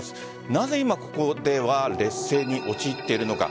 なぜ今、ここでは劣勢に陥っているのか。